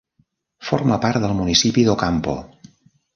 Forma part del municipi d"Ocampo.